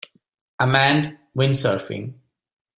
A man windsurfing.